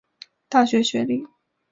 大学学历。